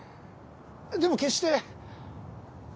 でも決して。